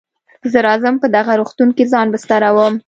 زه راځم په دغه روغتون کې ځان بستروم.